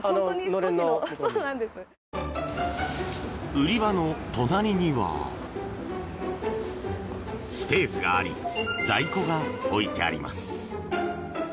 売り場の隣にはスペースがあり在庫が置いてあります。